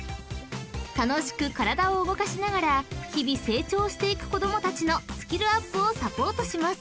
［楽しく体を動かしながら日々成長していく子供たちのスキルアップをサポートします］